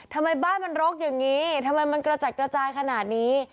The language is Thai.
ทำไมบ้านมันรกอย่างนี้ทำไมมันกระจัดกระจายขนาดนี้